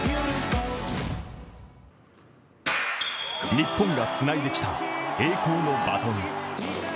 日本がつないできた栄光のバトン。